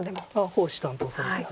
講師担当されて。